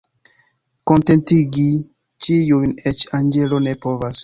Kontentigi ĉiujn eĉ anĝelo ne povas.